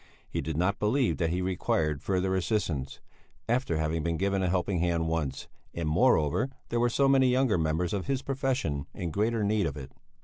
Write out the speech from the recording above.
He did not believe that he required further assistance, after having been given a helping hand once, and, moreover, there were so many younger members of his profession in greater need of it.